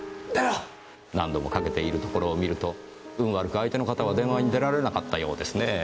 何度も掛けているところを見ると運悪く相手の方は電話に出られなかったようですねぇ。